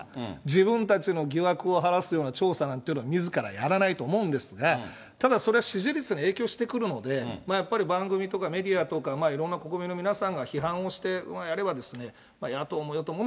自分たちの疑惑を晴らすような調査なんていうのは、みずからやらないと思うんですが、ただ、それ、支持率に影響してくるので、やっぱり番組とかメディアとか、いろんな国民の皆さんが批判をしてやれば、野党も与党も。